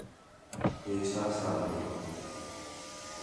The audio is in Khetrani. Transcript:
ہے چھا سال ہے؟